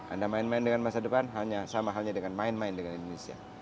anda main main dengan masa depan sama halnya dengan main main dengan indonesia